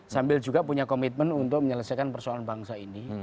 sambil juga punya komitmen untuk menyelesaikan persoalan bangsa ini